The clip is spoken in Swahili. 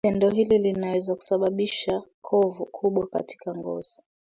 Tendo hili linaweza kusababisha kovu kubwa katika ngozi